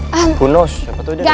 who knows siapa tuh dia disana